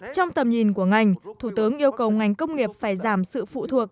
trong tầm nhìn của ngành thủ tướng yêu cầu ngành công nghiệp phải giảm sự phụ thuộc